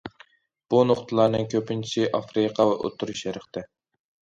بۇ نۇقتىلارنىڭ كۆپىنچىسى ئافرىقا ۋە ئوتتۇرا شەرقتە.